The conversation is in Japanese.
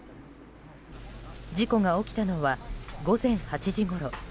事故が起きたのは午前８時ごろ。